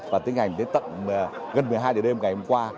và tiến hành đến tận gần một mươi hai đêm ngày hôm qua